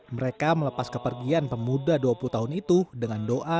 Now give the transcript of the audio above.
mereka melepas kepergian pemuda dua puluh tahun itu dengan doa